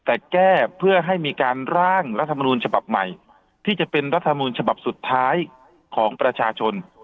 แต่แก้เพื่อให้มีการร่างรัฐมนูลฉบับใหม่ที่จะเป็นรัฐมนูลฉบับสุดท้ายของประชาชน